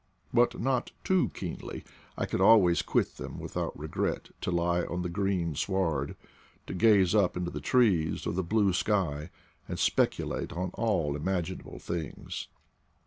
But not too keenly. I could always quit them without regret to lie on the green sward, to gaze up into the trees or the blue sky, and speculate on all im aginable things.